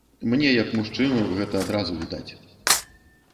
Мне як мужчыну гэта адразу відаць.